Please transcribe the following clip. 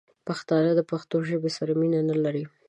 پښتانه دپښتو ژبې سره مینه نه لري